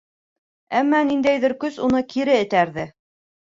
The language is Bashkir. Әммә ниндәйҙер көс уны кире этәрҙе.